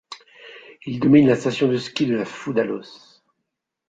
Il domine la station de ski de La Foux d'Allos.